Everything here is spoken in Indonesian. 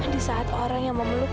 di saat orang yang memeluk